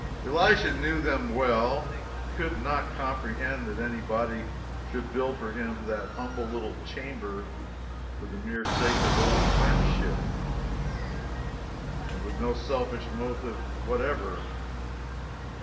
Elisha knew them well. He could not comprehend that any body should build for him that humble little chamber for the mere sake of old friendship, and with no selfish motive whatever.